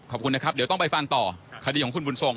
ขอบคุณนะครับเดี๋ยวต้องไปฟังต่อคดีของคุณบุญทรง